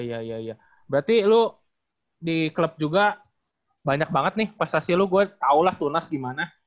iya iya berarti lu di klub juga banyak banget nih prestasi lu gua tahulah tunas gimana